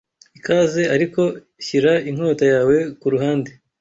Ikaze! - ariko shyira inkota yawe ku ruhande